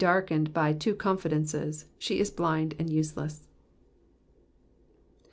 117 darkened by two confidences, she is blind and useless.